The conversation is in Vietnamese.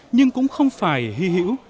nhưng cũng không phải hy hữu